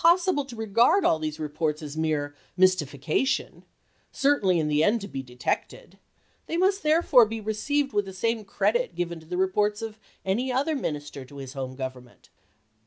sible to regard all these reports as a mere mystifica tioD, certain in the end to be detected ; they must therefore be received with the same credit given to the reports of any other minister to his home gov ernment.